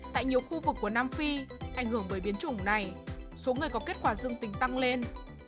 tại nhiều khu vực của nam phi ảnh hưởng bởi biến chủng này số người có kết quả dương tính tăng lên